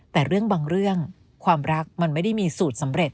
แต่เรื่องบางเรื่องความรักมันไม่ได้มีสูตรสำเร็จ